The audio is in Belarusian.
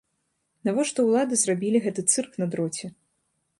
Навошта ўлады зрабілі гэты цырк на дроце?